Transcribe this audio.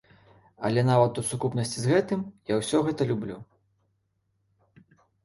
Але нават у сукупнасці з гэтым я ўсё гэта люблю.